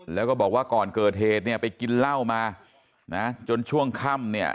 แล้วก็บอกว่าก่อนเกิดเหตุเนี่ยไปกินเหล้ามานะจนช่วงค่ำเนี่ย